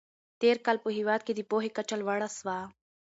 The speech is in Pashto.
تېر کال په هېواد کې د پوهې کچه لوړه سوه.